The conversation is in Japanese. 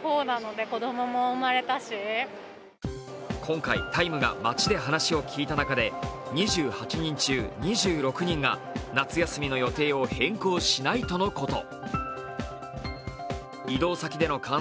今回、「ＴＩＭＥ，」が街で話を聞いた中で２８人中２６人が夏休みの予定を変更しないとのこと。